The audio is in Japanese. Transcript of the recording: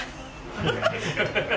ハハハッ！